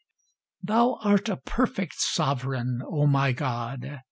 Thou art a perfect Sovereign, oh my God!